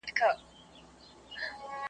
مستانه باندي ورتللو .